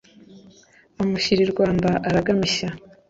amushyira i rwanda aragamishya.